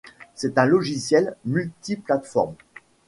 C'est un logiciel multiplate-forme.